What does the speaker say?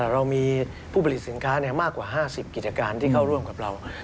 เรามีผู้ผลิตสินค้ามากกว่า๕๐กิจการที่เข้าร่วมกับเรา